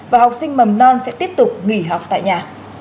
và học sinh mầm non sẽ tiếp tục nghỉ học tại nhà